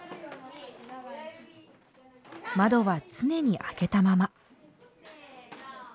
窓は常に開けたまま。